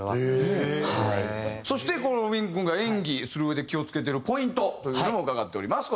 そしてウィン君が演技するうえで気を付けているポイントというのを伺っております。